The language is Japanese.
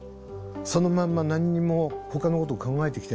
そのまんま何にもほかのことを考えてきてない。